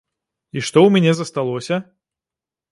І што ў мяне засталося?